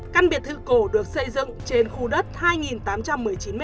căn biệt thự cổ được xây dựng trên khu đất hai tám trăm một mươi chín m hai